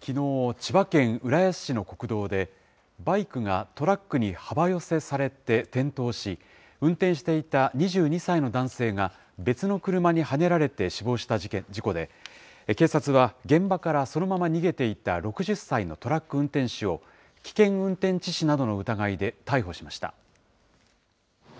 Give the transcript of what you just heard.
きのう、千葉県浦安市の国道で、バイクがトラックに幅寄せされて転倒し、運転していた２２歳の男性が、別の車にはねられて死亡した事故で、警察は現場からそのまま逃げていた６０歳のトラック運転手を、危険運転致死などの疑いで逮捕しました。